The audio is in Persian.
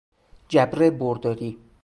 جبر برداری